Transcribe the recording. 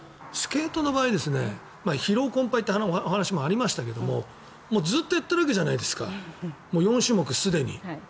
スケートの場合は疲労困ぱいという話もありましたけどずっとやってるわけじゃないですか４種目、すでに。